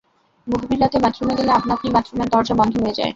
গভীর রাতে বাথরুমে গেলে আপনা-আপনি বাথরুমের দরজা বন্ধ হয়ে যায়?